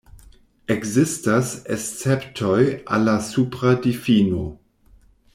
Ekzistas esceptoj al la supra difino.